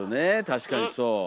確かにそう。